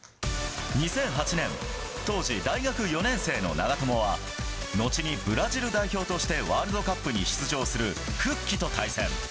２００８年、当時、大学４年生の長友は、後にブラジル代表としてワールドカップに出場するフッキと対戦。